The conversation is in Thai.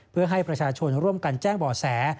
เพื่อให้ประชาชนร่วมกันแจ้งบ่อแส